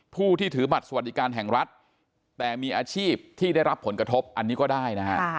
ผู้ที่ถือบัตรสวัสดิการแห่งรัฐแต่มีอาชีพที่ได้รับผลกระทบอันนี้ก็ได้นะฮะ